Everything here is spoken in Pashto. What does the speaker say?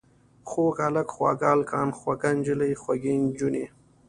خوږ هلک، خواږه هلکان، خوږه نجلۍ، خوږې نجونې.